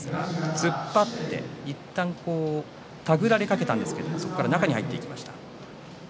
東龍との対戦だったんですが突っ張っていったん手繰られかけたんですがそこから中に入っていきました。